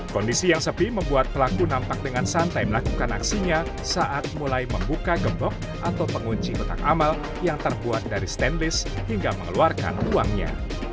kondisi yang sepi membuat pelaku nampak dengan santai melakukan aksinya saat mulai membuka gembok atau pengunci kotak amal yang terbuat dari stainless hingga mengeluarkan uangnya